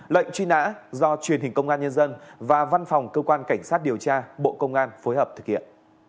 lệnh truy nã do truyền hình công an nhân dân và văn phòng cơ quan cảnh sát điều tra bộ công an phối hợp thực hiện